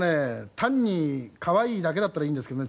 単に可愛いだけだったらいいんですけどね